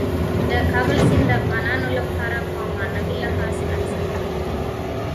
د کابل سیند د افغانانو لپاره په معنوي لحاظ ارزښت لري.